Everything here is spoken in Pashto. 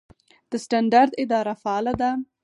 د سټنډرډ اداره فعاله ده؟